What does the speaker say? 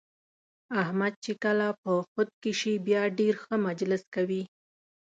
احمد چې کله په خود کې شي بیا ډېر ښه مجلس کوي.